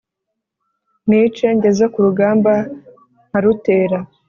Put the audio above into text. nice ngeze ku rugamba, nkarutera